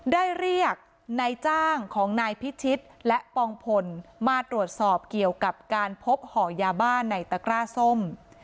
เรียกนายจ้างของนายพิชิตและปองพลมาตรวจสอบเกี่ยวกับการพบห่อยาบ้าในตะกร้าส้ม